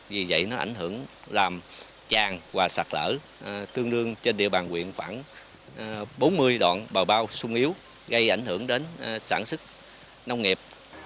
vì vậy nó ảnh hưởng làm tràn và sạt lỡ tương đương trên địa bàn huyện khoảng bốn mươi đoạn bào bao sung yếu gây ảnh hưởng đến sản xuất nông nghiệp